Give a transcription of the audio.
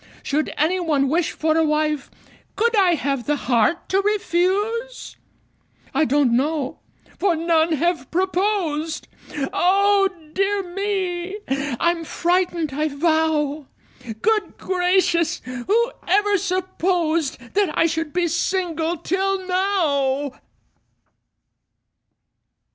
Should any one wish for a wife, Could I have the heart to refuse? I don't know for none have proposed Oh, dear me! I'm frightened, I vow! Good gracious! who ever supposed That I should be single till now?